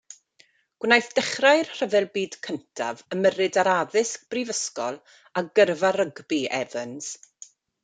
Gwnaeth dechrau'r Rhyfel Byd Cyntaf ymyrryd ar addysg brifysgol a gyrfa rygbi Evans.